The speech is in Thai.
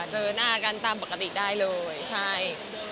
เจอหน้ากันตามปกติได้เลยใช่